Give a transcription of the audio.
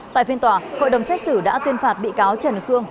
tại phiên tòa hội đồng xét xử đã tuyên phạt bị cáo trần khương